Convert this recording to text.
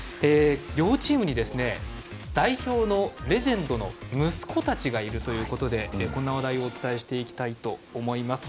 両チームに代表のレジェンドの息子たちがいるということでこんな話題をお伝えしていきたいと思います。